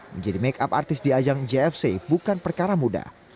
menjadi make up artis di ajang jfc bukan perkara mudah